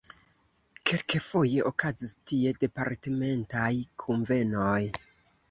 Kelkfoje okazis tie departementaj kunvenoj.